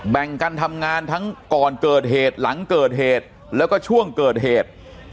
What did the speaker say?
แบ่งกันทำงานทั้งก่อนเกิดเหตุหลังเกิดเหตุแล้วก็ช่วงเกิดเหตุ